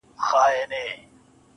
پر وظیفه عسکر ولاړ دی تلاوت کوي.